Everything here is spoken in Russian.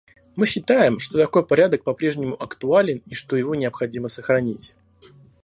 Мы считаем, что такой порядок по-прежнему актуален и что его необходимо сохранить.